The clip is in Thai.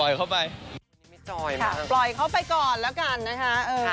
ปล่อยเขาไปก่อนล่ะกันนะฮะ